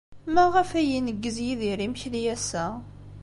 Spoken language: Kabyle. Maɣef ay ineggez Yidir imekli ass-a?